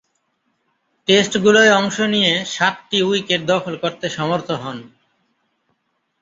টেস্টগুলোয় অংশ নিয়ে সাতটি উইকেট দখল করতে সমর্থ হন।